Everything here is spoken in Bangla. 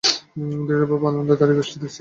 দিলরুবা বারান্দায় দাঁড়িয়ে বৃষ্টি দেখছে।